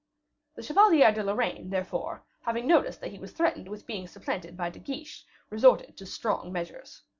The Chevalier de Lorraine, therefore, having noticed that he was threatened with being supplanted by De Guiche, resorted to strong measures.